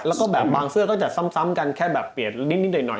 แล้วก็แบบบางเสื้อก็จะซ้ำกันแค่แบบเปลี่ยนนิดหน่อย